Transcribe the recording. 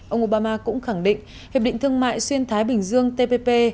ông obama cũng khẳng định hiệp định thương mại xuyên thái bình dương tpp